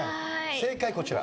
正解こちら。